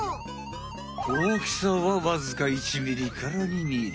大きさはわずか１ミリから２ミリ。